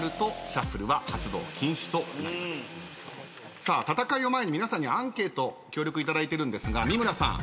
さあ戦いを前に皆さんにはアンケート協力いただいてるんですが三村さん。